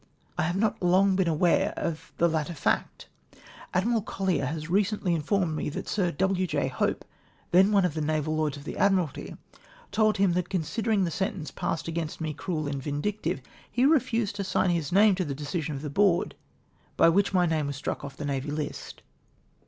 I have not long been aware of the latter fact. Admiral Colher has i ecently informed me that Sir W. J. Hope, then one of the Kaval Lords of the Ad miralty, told him that considering the sentence passed against me cruel and vindictive, he refused to sign his name to the decision of the Board by whicJi my name was struck off the ISTavy List.